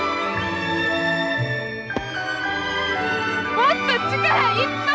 もっと力いっぱい！